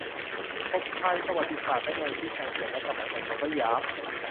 ธงชัย : ประวัติศาสตร์และแนวคิดการเกิดรัฐสมัยใหม่ของสยาม